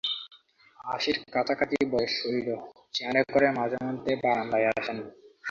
আশির কাছাকাছি বয়স হুইল চেয়ারে করে মাঝেমধ্যে বারান্দায় আসেন।